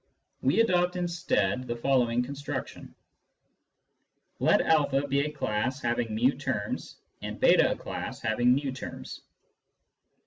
We adopt instead the following construction :— Let a be a class having fi terms, and f} a class having v terms.